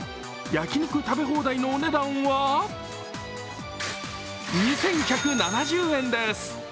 焼き肉食べ放題のお値段は２１７０円です。